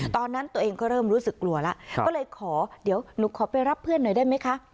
ตอนนั้นตัวเองก็เริ่มรู้สึกกลัวแล้วก็เลยขอเดี๋ยวหนูขอไปรับเพื่อนหน่อยได้ไหมคะ